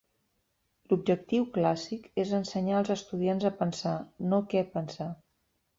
L'objectiu Clàssic és ensenyar als estudiants a pensar, no què pensar.